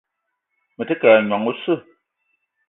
Me te ke ayi nyong oseu.